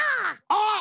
あっ！